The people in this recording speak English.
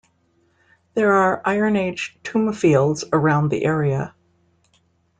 There are Iron Age tomb fields around the area.